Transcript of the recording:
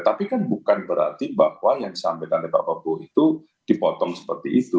tapi kan bukan berarti bahwa yang disampaikan oleh pak prabowo itu dipotong seperti itu